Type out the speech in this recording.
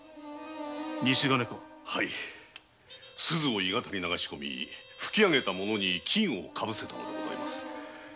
錫を鋳型に流し込み吹き上げたものに金を被せたのでございます。